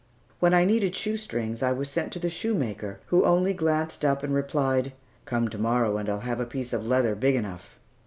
When I needed shoestrings, I was sent to the shoemaker, who only glanced up and replied, "Come to morrow, and I'll have a piece of leather big enough."